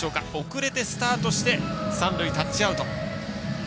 遅れてスタートして三塁タッチアウト。